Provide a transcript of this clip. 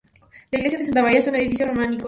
La iglesia de Santa María es un edificio románico.